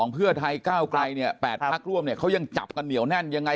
๓๑๒เพื่อไทย๙ไกร๘ภาคร่วมเนี่ยเขายังจับกันเหนียวแน่นยังไง